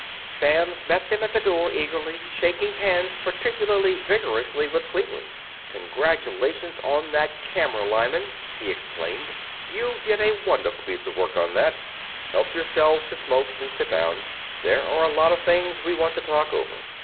Samms met them at the door eagerly, shaking hands particularly vigorously with Cleveland. "Congratulations on that camera, Lyman!" he exclaimed. "You did a wonderful piece of work on that. Help yourselves to smokes and sit down there are a lot of things we want to talk over.